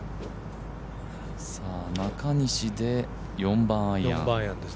中西で４番アイアン。